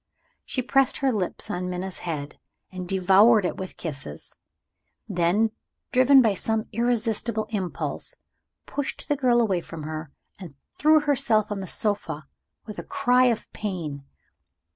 She pressed her lips on Minna's head, and devoured it with kisses; then, driven by some irresistible impulse, pushed the girl away from her, and threw herself on the sofa with a cry of pain.